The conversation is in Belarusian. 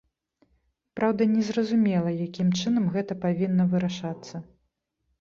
Праўда, незразумела, якім чынам гэта павінна вырашацца.